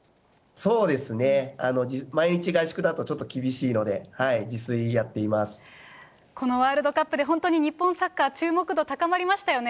そうですね、毎日外食だとちょっと厳しいので、自炊やっていこのワールドカップで本当に日本サッカー、注目度高まりましたよね。